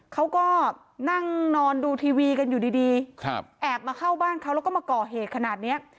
เขาก็นั่งนอนดูทีวีกันอยู่ดีแอบมาเข้าบ้านเขาแล้วก็มาก่อเหตุขนาดเนี้ย